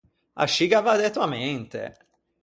Ascì gh’aiva dæto a mente!